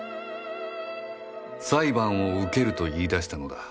裁判を受けると言い出したのだ